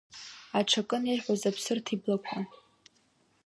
Аҽакын ирҳәоз Аԥсырҭ иблақәа…